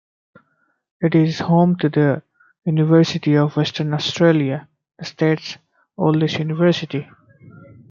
It is home to the University of Western Australia, the state's oldest university.